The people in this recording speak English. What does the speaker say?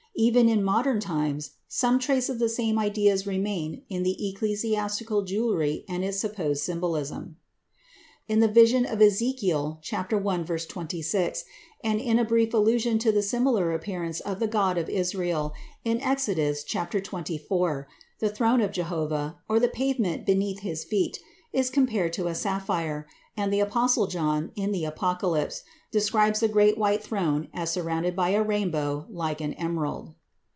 Even in modern times, some trace of the same ideas remains in the ecclesiastical jewelry and its supposed symbolism. In the vision of Ezekiel i, 26, and in a brief allusion to the similar appearance of the God of Israel in Exodus xxiv, the throne of Jehovah, or the pavement beneath his feet, is compared to a sapphire, and the Apostle John, in the Apocalypse, describes the Great White Throne as surrounded by a rainbow like an emerald.